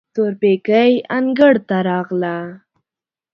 تورپيکۍ انګړ ته راغله.